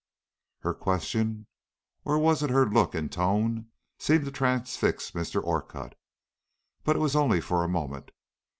Her question or was it her look and tone? seemed to transfix Mr. Orcutt. But it was only for a moment.